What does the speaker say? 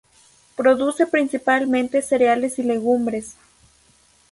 Produce principalmente cereales y legumbres.